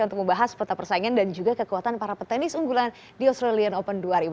untuk membahas peta persaingan dan juga kekuatan para petenis unggulan di australian open dua ribu delapan belas